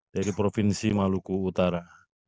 dari provinsi maluku utara